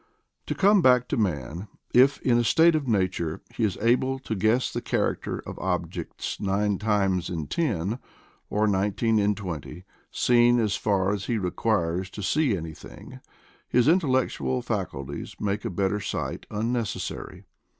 To come back to man: if , in a state of nature, he is able to guess the character of objects nine times in ten, or nineteen in twenty, seen as far as he requires to see anything, his intellectual faculties make a bet ter sight unnecessary.